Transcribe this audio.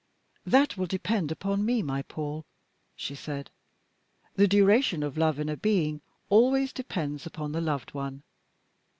"That will depend upon me, my Paul," she said. "The duration of love in a being always depends upon the loved one.